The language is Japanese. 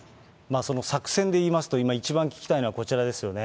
その作戦でいいますと、今一番聞きたいのはこちらですよね。